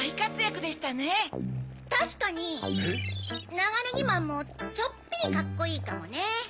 ナガネギマンもちょっぴりカッコいいかもね。